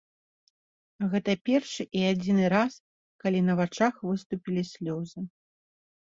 Гэта першы і адзіны раз, калі на вачах выступілі слёзы.